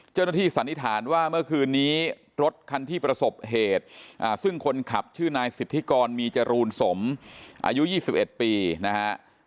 สันนิษฐานว่าเมื่อคืนนี้รถคันที่ประสบเหตุซึ่งคนขับชื่อนายสิทธิกรมีจรูนสมอายุ๒๑ปีนะฮะ